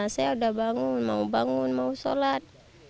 saya udah bangun mau bangun mau sholat